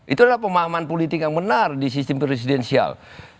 itu adalah pemahaman politik yang benar di sistem presidensial